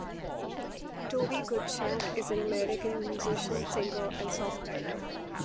Toby Goodshank is an American musician, singer, and songwriter.